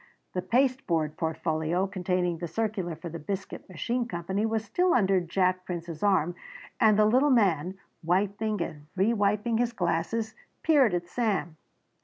The pasteboard portfolio containing the circular for the Biscuit Machine Company was still under Jack Prince's arm and the little man, wiping and re wiping his glasses, peered at Sam.